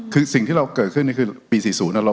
คือสิ่งที่เราเกิดขึ้นที่คือปีสี่ศูนย์อะไร